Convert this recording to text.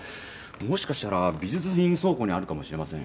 もしかしたら美術品倉庫にあるかもしれません。